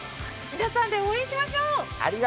皆さんで応援しましょう。